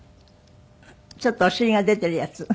ちょっとお尻が出ているやつ？